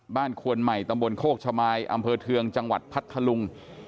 ควนใหม่ตำบลโคกชะมายอำเภอเทืองจังหวัดพัทธลุง